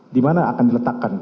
dimana akan diletakkan